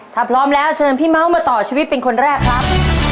ถ้าพร้อมแล้วเชิญพี่เม้ามาต่อชีวิตเป็นคนแรกครับ